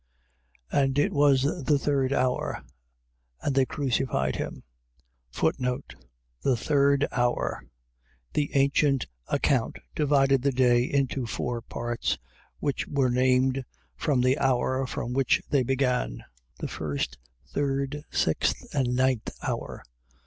15:25. And it was the third hour: and they crucified him. The third hour. . .The ancient account divided the day into four parts, which were named from the hour from which they began; the first, third, sixth, and ninth hour.